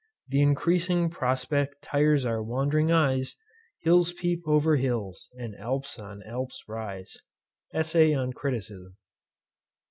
Th' increasing prospect tires our wand'ring eyes, Hills peep o'er hills, and Alps on Alps arise. ESSAY ON CRITICISM.